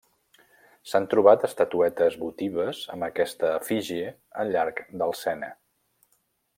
S'han trobat estatuetes votives amb aquesta efígie al llarg del Sena.